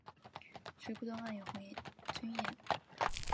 水库东岸有红军岩。